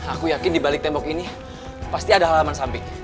aku yakin dibalik tembok ini pasti ada halaman samping